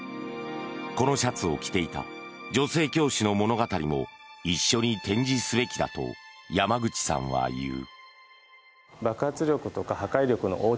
このシャツを着ていた女性教師の物語も一緒に展示すべきだと山口さんは言う。